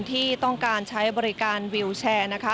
ที่ต้องการใช้บริการวิวแชร์นะคะ